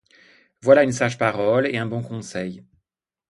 Voilà une sage parole et un bon conseil.